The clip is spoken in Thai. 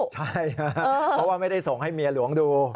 ใช่เพราะว่าไม่ได้ส่งให้เมียหลวงดู